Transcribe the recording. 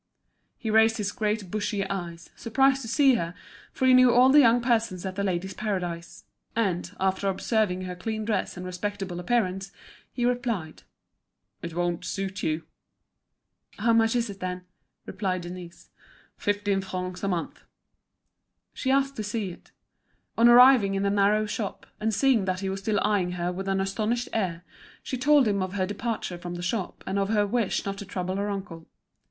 He raised his great bushy eyes, surprised to see her, for he knew all the young persons at The Ladies' Paradise. And, after observing her clean dress and respectable appearance, he replied: "It won't suit you." "How much is it, then?" replied Denise. "Fifteen francs a month." She asked to see it. On arriving in the narrow shop, and seeing that he was still eyeing her with an astonished air, she told him of her departure from the shop and of her wish not to trouble her uncle.